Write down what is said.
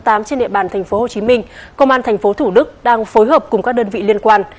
trên địa bàn tp hcm công an tp thủ đức đang phối hợp cùng các đơn vị liên quan